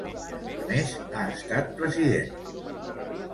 A més, ha estat president del club Unión Española.